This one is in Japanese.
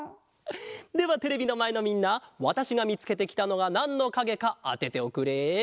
ではテレビのまえのみんなわたしがみつけてきたのがなんのかげかあてておくれ。